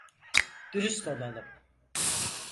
Dürüst olalım.